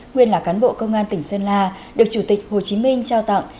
nguyên là cán bộ công an tỉnh sơn la được chủ tịch hồ chí minh trao tặng